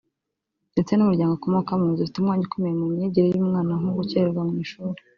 ndetse n’umuryango akomokamo zifite umwanya ukomeye mu myigire y’umwana nko gukererwa mu ishuri